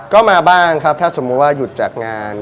ก็มาบ้างครับถ้าสมมุติว่าหยุดจากงาน